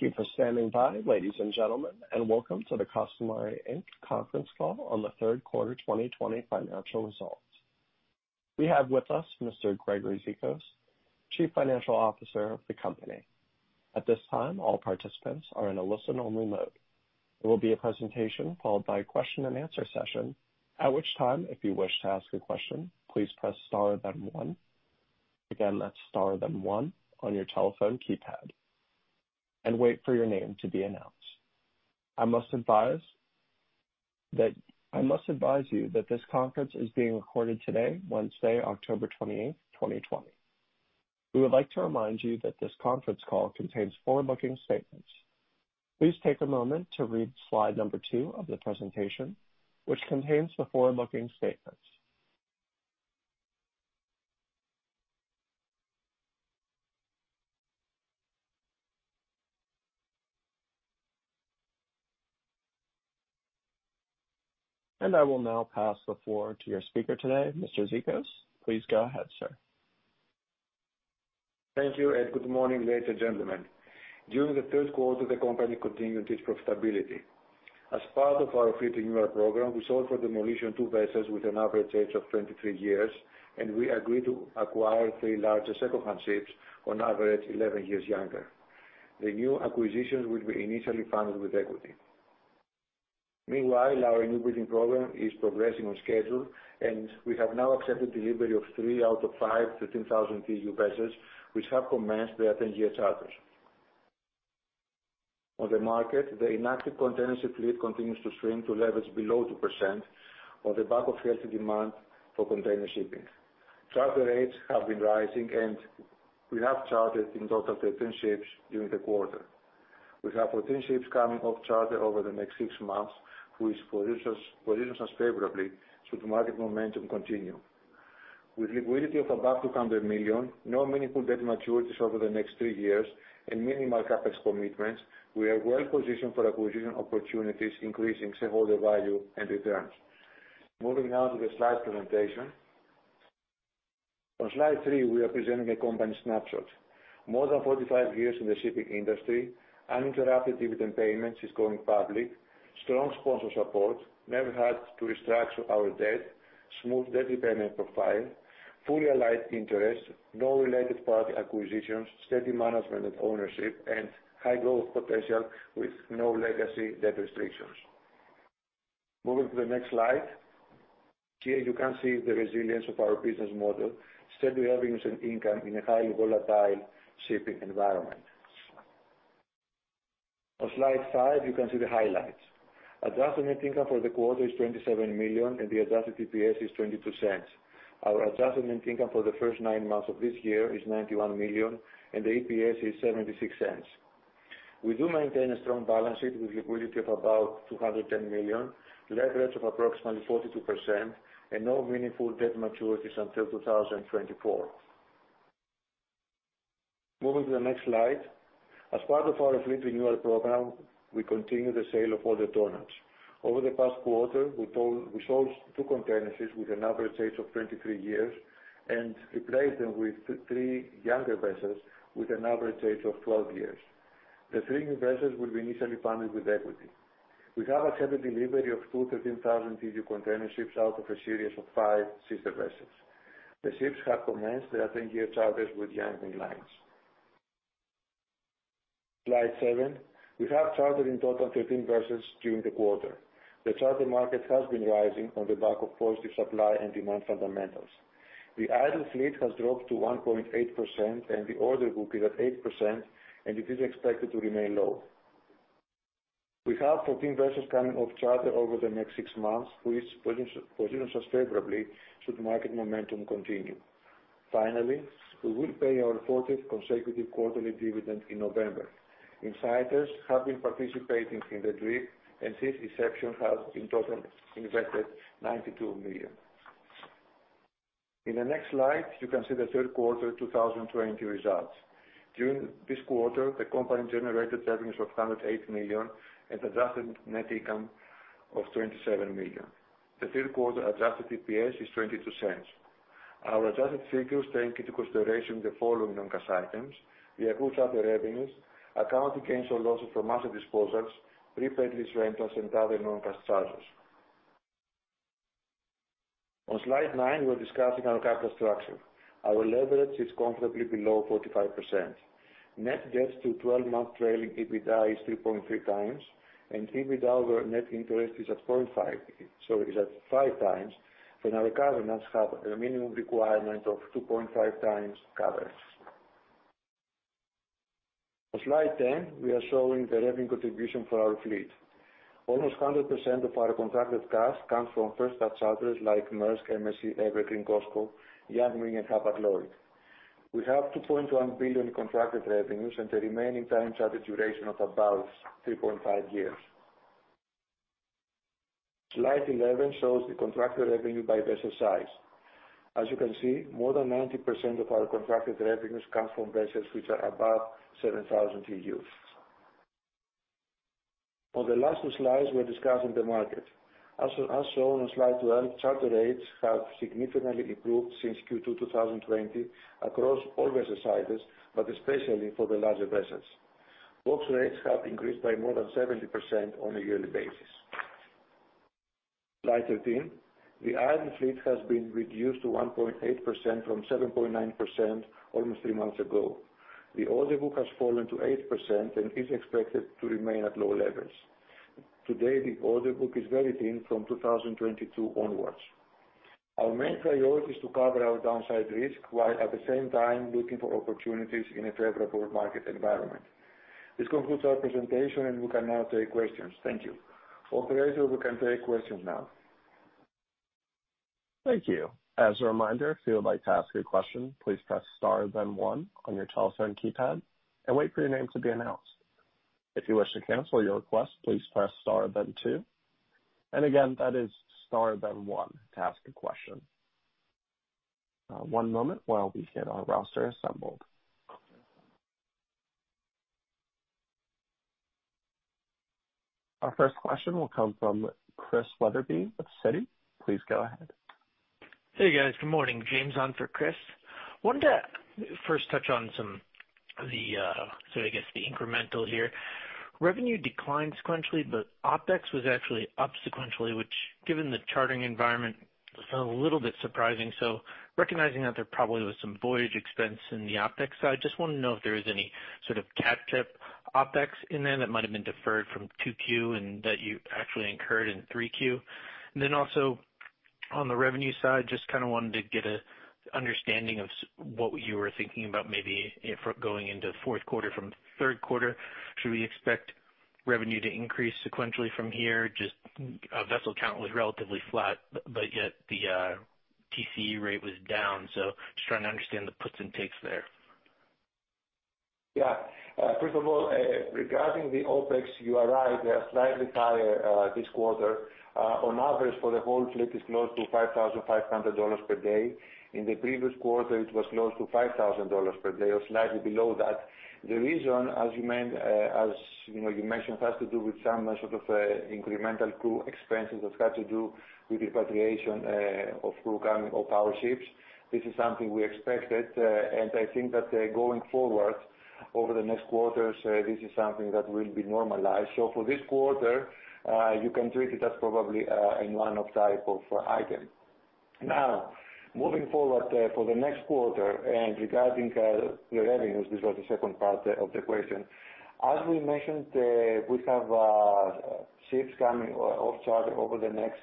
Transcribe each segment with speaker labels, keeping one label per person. Speaker 1: Thank you for standing by, ladies and gentlemen, and welcome to the Costamare Inc. conference call on the third quarter 2020 financial results. We have with us Mr. Gregory Zikos, Chief Financial Officer of the company. At this time, all participants are in a listen-only mode. There will be a presentation followed by a question and answer session, at which time, if you wish to ask a question, please press star, then one. Again, that's star, then one on your telephone keypad. Wait for your name to be announced. I must advise you that this conference is being recorded today, Wednesday, October 28, 2020. We would like to remind you that this conference call contains forward-looking statements. Please take a moment to read slide number two of the presentation, which contains the forward-looking statements. I will now pass the floor to your speaker today, Mr. Zikos. Please go ahead, sir.
Speaker 2: Thank you, and good morning, ladies and gentlemen. During the third quarter, the company continued its profitability. As part of our Fleet Renewal Program, we sold for demolition two vessels with an average age of 23 years, and we agreed to acquire three larger secondhand ships on average 11 years younger. The new acquisitions will be initially funded with equity. Meanwhile, our Newbuilding Program is progressing on schedule, and we have now accepted delivery of three out of five to 10,000 TEU vessels, which have commenced their 10-year charters. On the market, the inactive container ship fleet continues to shrink to levels below 2% on the back of healthy demand for container shipping. Charter rates have been rising, and we have chartered in total 13 ships during the quarter. We have 14 ships coming off charter over the next six months, which positions us favorably should market momentum continue. With liquidity of about $200 million, no meaningful debt maturities over the next three years, and minimal CapEx commitments, we are well positioned for acquisition opportunities, increasing shareholder value and returns. Moving now to the slide presentation. On slide three, we are presenting a company snapshot. More than 45 years in the shipping industry, uninterrupted dividend payments since going public, strong sponsor support, never had to restructure our debt, smooth debt repayment profile, fully aligned interests, no related party acquisitions, steady management and ownership, and high growth potential with no legacy debt restrictions. Moving to the next slide. Here you can see the resilience of our business model, steady revenues and income in a highly volatile shipping environment. On slide five, you can see the highlights. Adjusted net income for the quarter is $27 million, and the adjusted EPS is $0.22. Our adjusted net income for the first nine months of this year is $91 million, and the EPS is $0.76. We do maintain a strong balance sheet with liquidity of about $210 million, leverage of approximately 42%, and no meaningful debt maturities until 2024. Moving to the next slide. As part of our fleet renewal program, we continue the sale of older tonnages. Over the past quarter, we sold two container ships with an average age of 23 years and replaced them with three younger vessels with an average age of 12 years. The three new vessels will be initially funded with equity. We have accepted delivery of two 13,000 TEU container ships out of a series of five sister vessels. The ships have commenced their 10-year charters with Yang Ming Lines. Slide seven, we have chartered in total 13 vessels during the quarter. The charter market has been rising on the back of positive supply and demand fundamentals. The idle fleet has dropped to 1.8% and the order book is at 8%, and it is expected to remain low. We have 14 vessels coming off charter over the next six months, which positions us favorably should market momentum continue. Finally, we will pay our 40th consecutive quarterly dividend in November. Insiders have been participating in the DRIP and since inception have in total invested $92 million. In the next slide, you can see the third quarter 2020 results. During this quarter, the company generated revenues of $108 million and adjusted net income of $27 million. The third quarter adjusted EPS is $0.22. Our adjusted figures take into consideration the following non-cash items: the accrued charter revenues, accounting gains or losses from asset disposals, prepaid lease rentals, and other non-cash charges. On slide nine, we're discussing our capital structure. Our leverage is comfortably below 45%. Net debt to 12-month trailing EBITDA is 3.3x, and EBITDA over net interest is at 5x when our covenants have a minimum requirement of 2.5x coverage. On slide 10, we are showing the revenue contribution for our fleet. Almost 100% of our contracted cargoes come from first-class charterers like Maersk, MSC, Evergreen, COSCO, Yang Ming, and Hapag-Lloyd. We have $2.1 billion in contracted revenues and the remaining time charter duration of about 3.5 years. Slide 11 shows the contracted revenue by vessel size. As you can see, more than 90% of our contracted revenues come from vessels which are above 7,000 TEUs. On the last two slides, we're discussing the market. As shown on slide 12, charter rates have significantly improved since Q2 2020 across all vessel sizes, but especially for the larger vessels. Box rates have increased by more than 70% on a yearly basis. Slide 13, the idle fleet has been reduced to 1.8% from 7.9% almost three months ago. The order book has fallen to 8% and is expected to remain at low levels. Today, the order book is very thin from 2022 onwards. Our main priority is to cover our downside risk while at the same time looking for opportunities in a favorable market environment. This concludes our presentation and we can now take questions. Thank you. Operator, we can take questions now.
Speaker 1: Thank you. As a reminder, if you would like to ask a question, please press star then one on your telephone keypad and wait for your name to be announced. If you wish to cancel your request, please press star then two. Again, that is star then one to ask a question. One moment while we get our roster assembled. Our first question will come from Chris Wetherbee of Citi. Please go ahead.
Speaker 3: Hey, guys. Good morning. James on for Chris. Wanted to first touch on the incremental here. Revenue declined sequentially, OpEx was actually up sequentially, which given the chartering environment is a little bit surprising. Recognizing that there probably was some voyage expense in the OpEx side, just wanted to know if there was any sort of catch-up OpEx in there that might have been deferred from 2Q and that you actually incurred in 3Q. Also on the revenue side, just kind of wanted to get an understanding of what you were thinking about maybe going into the fourth quarter from third quarter. Should we expect revenue to increase sequentially from here? Vessel count was relatively flat, yet the TCE rate was down. Just trying to understand the puts and takes there.
Speaker 2: First of all, regarding the OpEx, you are right, they are slightly higher this quarter. On average for the whole fleet is close to $5,500 per day. In the previous quarter, it was close to $5,000 per day or slightly below that. The reason, as you mentioned, has to do with some sort of incremental crew expenses that have to do with repatriation of crew coming off our ships. This is something we expected, and I think that going forward over the next quarters, this is something that will be normalized. For this quarter, you can treat it as probably a one-off type of item. Moving forward for the next quarter and regarding the revenues, this was the second part of the question. As we mentioned, we have ships coming off charter over the next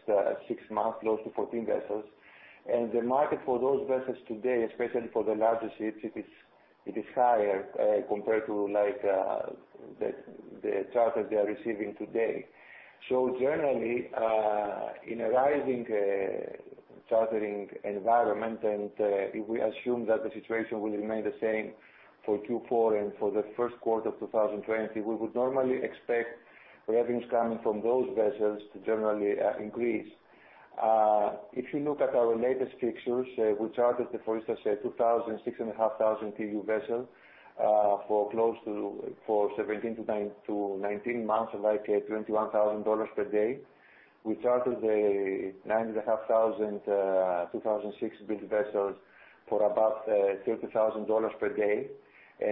Speaker 2: six months, close to 14 vessels. The market for those vessels today, especially for the larger ships, it is higher compared to the charters they are receiving today. Generally, in a rising chartering environment and if we assume that the situation will remain the same for Q4 and for the first quarter of 2020, we would normally expect revenues coming from those vessels to generally increase. If you look at our latest fixtures, we chartered the, for instance, 2000, 6,500 TEU vessel for 17months-19 months at like $21,000 per day. We chartered a 9,500 2006 build vessels for about $30,000 per day.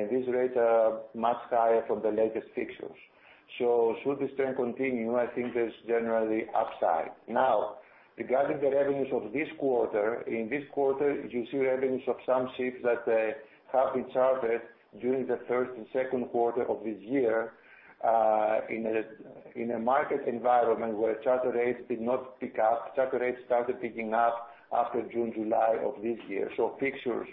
Speaker 2: These rates are much higher from the latest fixtures. Should this trend continue, I think there's generally upside. Now, regarding the revenues of this quarter, in this quarter, you see revenues of some ships that have been chartered during the first and second quarter of this year, in a market environment where charter rates did not pick up. Charter rates started picking up after June, July of this year. So fixtures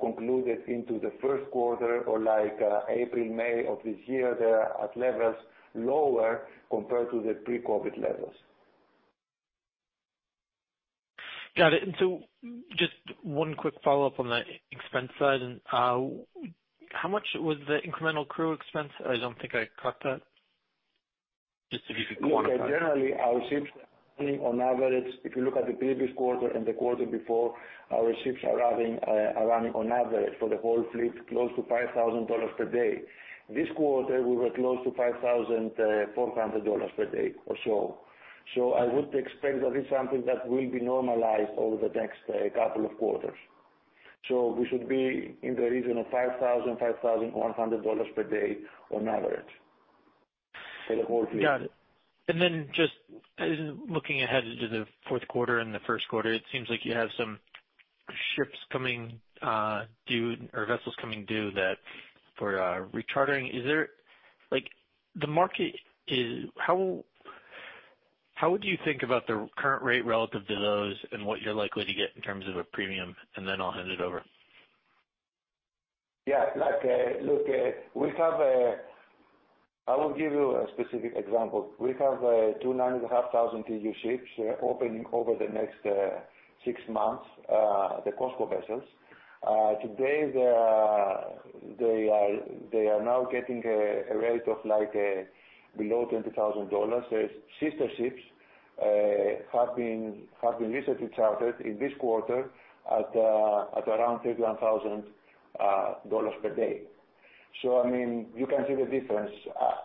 Speaker 2: concluded into the first quarter or like April, May of this year, they are at levels lower compared to the pre-COVID levels.
Speaker 3: Got it. Just one quick follow-up on the expense side. How much was the incremental crew expense? I don't think I caught that. Just if you could quantify.
Speaker 2: Generally, our ships on average, if you look at the previous quarter and the quarter before, our ships are running on average for the whole fleet, close to $5,000 per day. This quarter, we were close to $5,400 per day or so. I would expect that it's something that will be normalized over the next couple of quarters. We should be in the region of $5,000, $5,100 per day on average for the whole fleet.
Speaker 3: Got it. Just looking ahead into the fourth quarter and the first quarter, it seems like you have some ships coming due or vessels coming due that for rechartering. How would you think about the current rate relative to those and what you're likely to get in terms of a premium? I'll hand it over.
Speaker 2: Yeah. I will give you a specific example. We have two 9,500 TEU ships opening over the next six months, the COSCO vessels. Today, they are now getting a rate of below $20,000. Sister ships have been recently chartered in this quarter at around $31,000 per day. You can see the difference.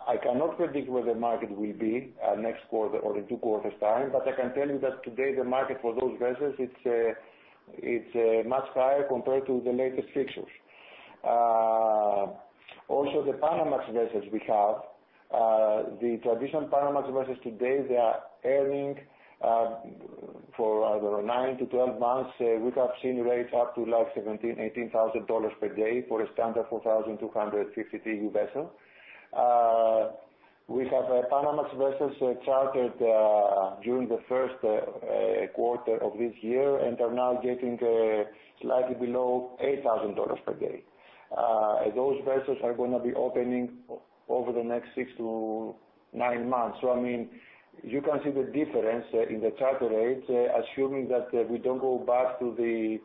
Speaker 2: I cannot predict where the market will be next quarter or in two quarters' time, but I can tell you that today the market for those vessels, it's much higher compared to the latest fixtures. The Panamax vessels we have, the traditional Panamax vessels today, they are earning for, I don't know, nine to 12 months. We have seen rates up to $17,000, $18,000 per day for a standard 4,250 TEU vessel. We have Panamax vessels chartered during the first quarter of this year and are now getting slightly below $8,000 per day. Those vessels are going to be opening over the next six to nine months. You can see the difference in the charter rates, assuming that we don't go back to the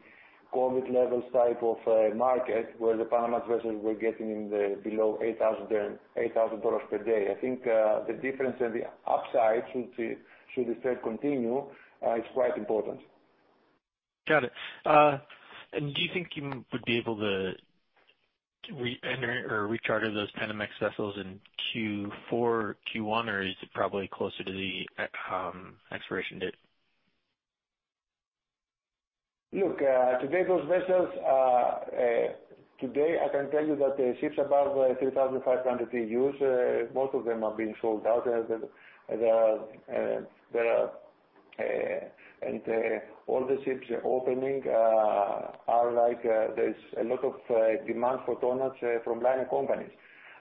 Speaker 2: COVID levels type of market, where the Panamax vessels were getting below $8,000 per day. I think the difference in the upside should the trend continue, is quite important.
Speaker 3: Got it. Do you think you would be able to re-enter or re-charter those Panamax vessels in Q4, Q1, or is it probably closer to the expiration date?
Speaker 2: Look, today I can tell you that the ships above 3,500 TEUs, most of them are being sold out. All the ships opening, there's a lot of demand for tonnages from liner companies.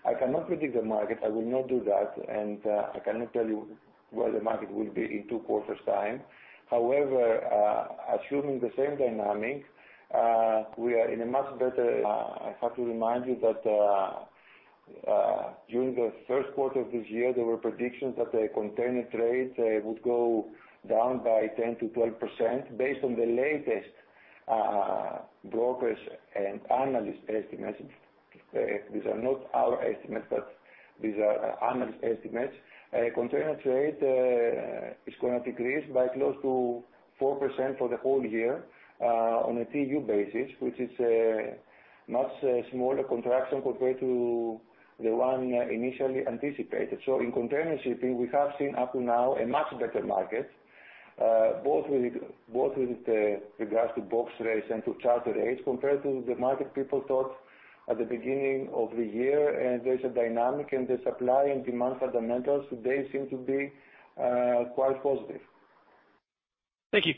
Speaker 2: I cannot predict the market. I will not do that, and I cannot tell you where the market will be in two quarters' time. However, assuming the same dynamic, I have to remind you that during the first quarter of this year, there were predictions that the container trades would go down by 10%-12%. Based on the latest brokers' and analysts' estimates, these are not our estimates, but these are analysts' estimates, container trade is going to decrease by close to 4% for the whole year on a TEU basis, which is a much smaller contraction compared to the one initially anticipated. In container shipping, we have seen up to now a much better market, both with regards to box rates and to charter rates compared to the market people thought at the beginning of the year, and there's a dynamic in the supply and demand fundamentals today seem to be quite positive.
Speaker 3: Thank you.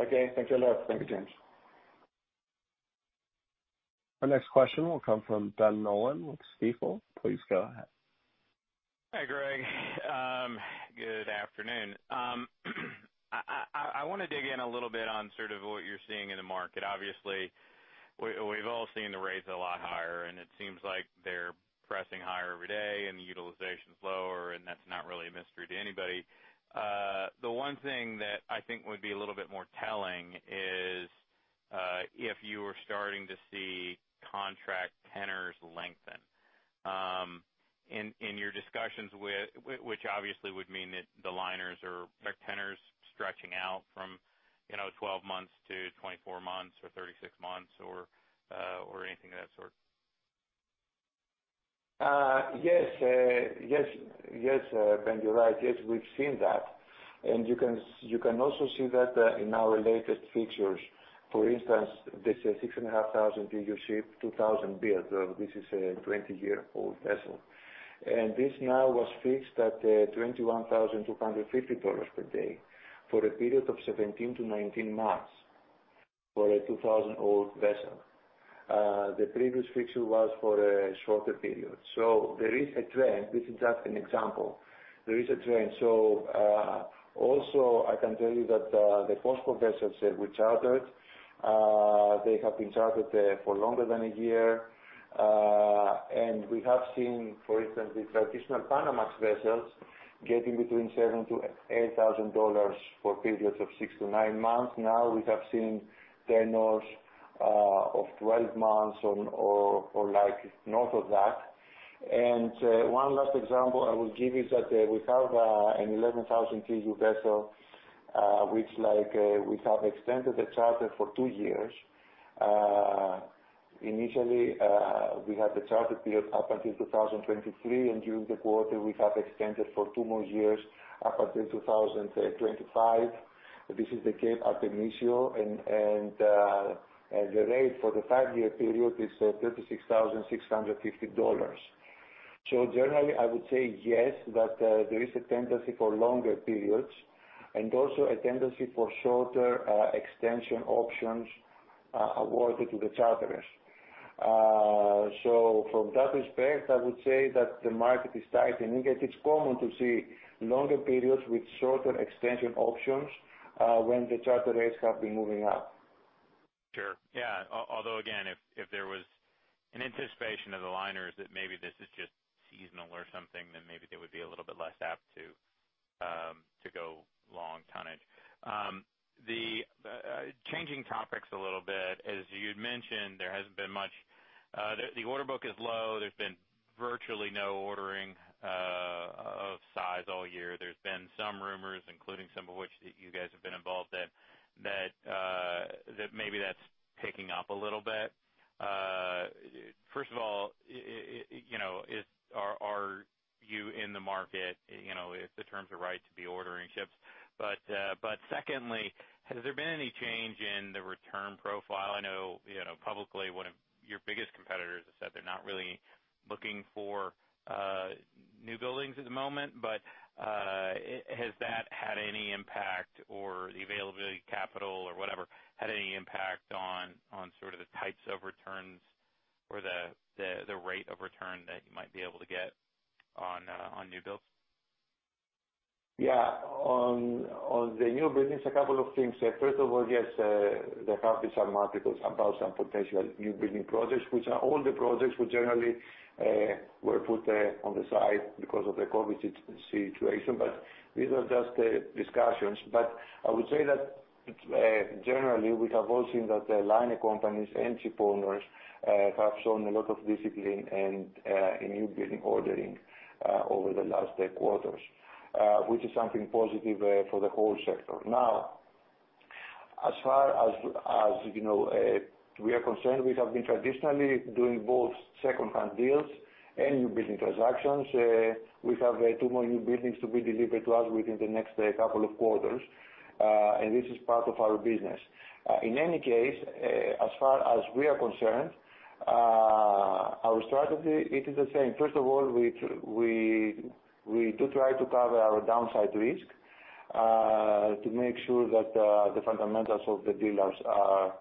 Speaker 2: Okay, thanks a lot. Thank you, James.
Speaker 1: Our next question will come from Ben Nolan with Stifel. Please go ahead.
Speaker 4: Hi, Greg. Good afternoon. I want to dig in a little bit on sort of what you're seeing in the market. Obviously, we've all seen the rates a lot higher, and it seems like they're pressing higher every day and the utilization's lower, and that's not really a mystery to anybody. The one thing that I think would be a little bit more telling is if you are starting to see contract tenors lengthen. In your discussions, which obviously would mean that the liners or their tenors stretching out from 12 months to 24 months or 36 months or anything of that sort.
Speaker 2: Yes, Ben, you're right. Yes, we've seen that. You can also see that in our latest fixtures. For instance, this is a 6,500 TEU ship, 2,000 build. This is a 20-year-old vessel. This now was fixed at $21,250 per day for a period of 17months-19 months for a 2,000-old vessel. The previous fixture was for a shorter period. There is a trend. This is just an example. There is a trend. Also, I can tell that the COSCO vessels which chartered, they have been chartered for longer than a year. We have seen, for instance, the traditional Panamax vessels getting between $7,000-$8,000 for periods of six to nine months. Now we have seen tenors of 12 months or north of that. One last example I will give you is that we have an 11,000 TEU vessel, which we have extended the charter for two years. Initially, we had the charter period up until 2023. During the quarter, we have extended for two more years up until 2025. This is the Cape Artemisio, and the rate for the 5-year period is $36,650. Generally, I would say yes, that there is a tendency for longer periods and also a tendency for shorter extension options awarded to the charterers. From that respect, I would say that the market is tight and it's common to see longer periods with shorter extension options when the charter rates have been moving up.
Speaker 4: Sure. Yeah. Although, again, if there was an anticipation of the liners that maybe this is just seasonal or something, then maybe they would be a little bit less apt to. Changing topics a little bit, as you'd mentioned, there hasn't been much. The order book is low. There's been virtually no ordering of size all year. There's been some rumors, including some of which that you guys have been involved in, that maybe that's picking up a little bit. First of all, are you in the market? If the terms are right to be ordering ships. Secondly, has there been any change in the return profile? I know, publicly, one of your biggest competitors has said they're not really looking for Newbuildings at the moment, but has that had any impact, or the availability of capital, or whatever, had any impact on sort of the types of returns or the rate of return that you might be able to get on Newbuildings?
Speaker 2: On the Newbuildings, a couple of things. First of all, yes, there have been some articles about some potential Newbuilding projects, which are older projects, which generally were put on the side because of the COVID situation. These are just discussions. I would say that generally, we have all seen that the liner companies and ship owners have shown a lot of discipline in Newbuilding ordering over the last quarters, which is something positive for the whole sector. As far as we are concerned, we have been traditionally doing both secondhand deals and newbuilding transactions. We have two more Newbuildings to be delivered to us within the next couple of quarters. This is part of our business. In any case, as far as we are concerned, our strategy, it is the same. First of all, we do try to cover our downside risk, to make sure that the fundamentals of the dealers are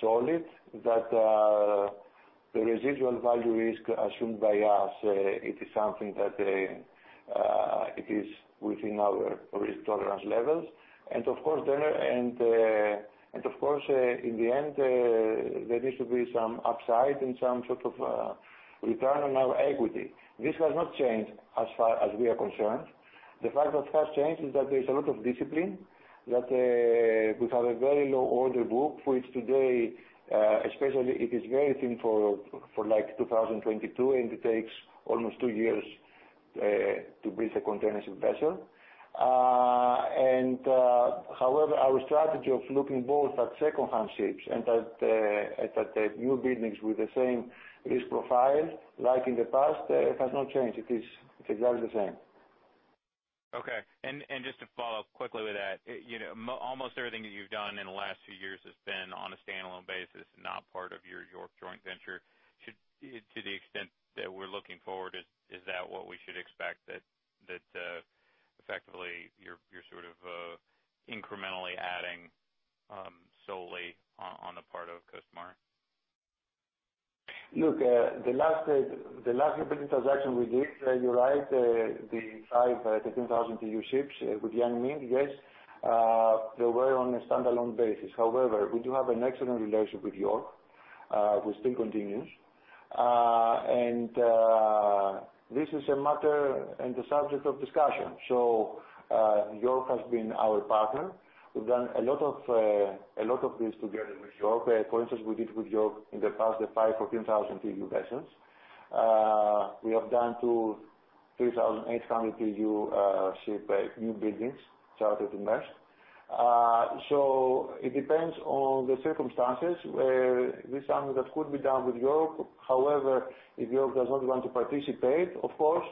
Speaker 2: solid, that the residual value risk assumed by us, it is something that it is within our risk tolerance levels. Of course, in the end, there needs to be some upside and some sort of return on our equity. This has not changed as far as we are concerned. The fact that has changed is that there's a lot of discipline, that we have a very low order book, which today, especially, it is very thin for 2022, and it takes almost two years to build a container ship vessel. However, our strategy of looking both at secondhand ships and at Newbuildings with the same risk profile, like in the past, has not changed. It is exactly the same.
Speaker 4: Okay. Just to follow up quickly with that, almost everything that you've done in the last few years has been on a standalone basis, not part of your York joint venture. To the extent that we're looking forward, is that what we should expect, that effectively you're sort of incrementally adding solely on the part of Costamare?
Speaker 2: Look, the last big transaction we did, you're right, the five 13,000 TEU ships with Yang Ming, yes, they were on a standalone basis. We do have an excellent relationship with York, which still continues. This is a matter and a subject of discussion. York has been our partner. We've done a lot of this together with York. For instance, we did with York in the past, the five 14,000 TEU vessels. We have done two 3,800 TEU ship Newbuildings, chartered to Maersk. It depends on the circumstances where this is something that could be done with York. If York does not want to participate, of course,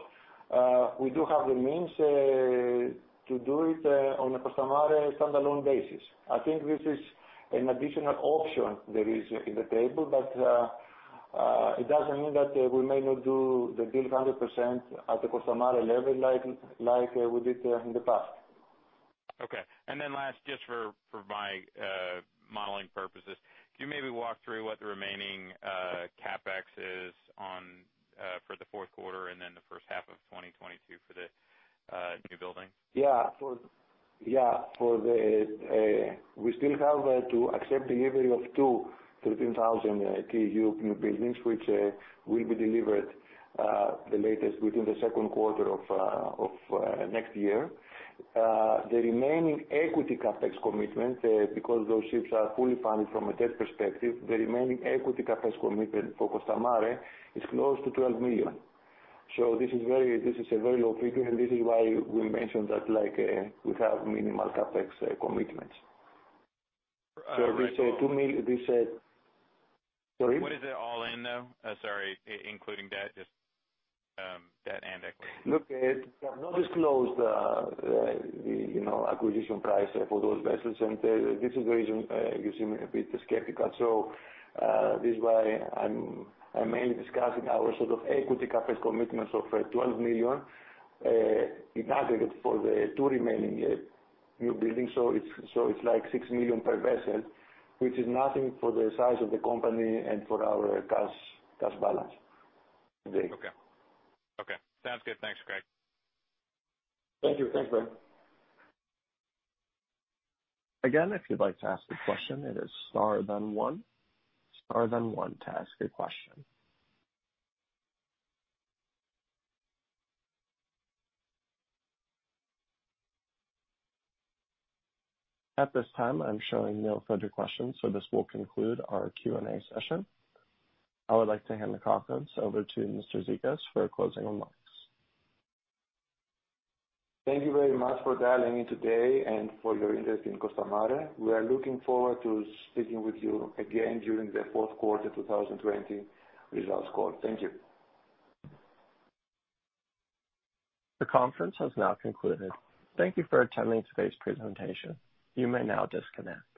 Speaker 2: we do have the means to do it on a Costamare standalone basis. I think this is an additional option there is in the table, but it doesn't mean that we may not do the deal 100% at the Costamare level like we did in the past.
Speaker 4: Okay. Then last, just for my modeling purposes, can you maybe walk through what the remaining CapEx is for the fourth quarter and then the first half of 2022 for the Newbuilding?
Speaker 2: Yeah. We still have to accept delivery of two 13,000 TEU new buildings, which will be delivered the latest within the second quarter of next year. The remaining equity CapEx commitment, because those ships are fully funded from a debt perspective, the remaining equity CapEx commitment for Costamare is close to $12 million. This is a very low figure, and this is why we mentioned that we have minimal CapEx commitments.
Speaker 4: Right.
Speaker 2: Sorry?
Speaker 4: What is it all in, though? Sorry, including just debt and equity.
Speaker 2: Look, we have not disclosed the acquisition price for those vessels, and this is the reason you seem a bit skeptical. This is why I'm mainly discussing our sort of equity CapEx commitments of $12 million in aggregate for the two remaining Newbuildings. It's like $6 million per vessel, which is nothing for the size of the company and for our cash balance.
Speaker 4: Okay. Sounds good. Thanks, Greg.
Speaker 2: Thank you. Thanks, Ben.
Speaker 1: Again, if you'd like to ask a question, it is star then one. Star then one to ask a question. At this time, I'm showing no further questions, this will conclude our Q&A session. I would like to hand the conference over to Mr. Zikos for closing remarks.
Speaker 2: Thank you very much for dialing in today and for your interest in Costamare. We are looking forward to speaking with you again during the fourth quarter 2020 results call. Thank you.
Speaker 1: The conference has now concluded. Thank you for attending today's presentation. You may now disconnect.